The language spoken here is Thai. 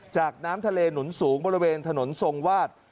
น้ำทะเลหนุนสูงบริเวณถนนทรงวาด